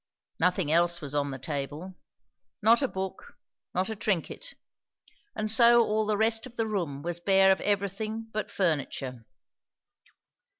Nothing else was on the table; not a book; not a trinket; and so all the rest of the room was bare of everything but furniture.